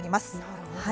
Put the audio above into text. なるほど。